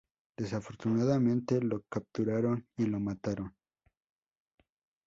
Desafortunadamente le capturaron y lo mataron.